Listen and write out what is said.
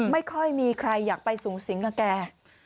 ไม่ค่อยมีใครอยากไปสูงสิงกับแก